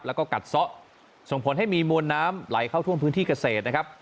แล้วก็กัดซะส่งผลให้มีมวลน้ำไหลเข้าท่วมพื้นที่เกษตรนะครับ